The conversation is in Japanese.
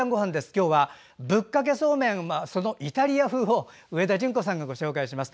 今日はぶっかけそうめんのイタリア風上田淳子さんがご紹介します。